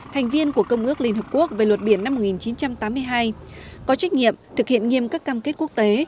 thành viên của công ước liên hợp quốc về luật biển năm một nghìn chín trăm tám mươi hai có trách nhiệm thực hiện nghiêm các cam kết quốc tế